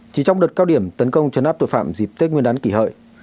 chỉ trong đợt cao điểm tấn công chấn áp tội phạm dịp tết nguyên đán kỷ hợi